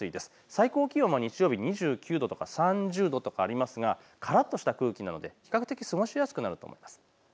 最高気温も日曜日２９度とか３０度とありますがからっとした空気なので、比較的過ごしやすくなると思います。